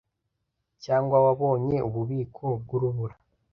Cyangwa wabonye ububiko bw’urubura?..